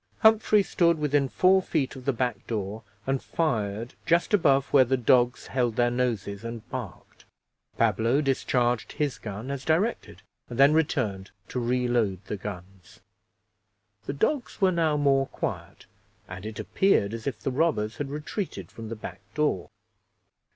Humphrey stood within four feet of the back door, and fired just above where the dogs held their noses and barked. Pablo discharged his gun as directed, and then returned to reload the guns. The dogs were now more quiet, and it appeared as if the robbers had retreated from the back door.